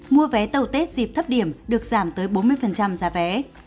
mua vé tàu tết dịp thấp điểm được giảm tới bốn mươi giá vé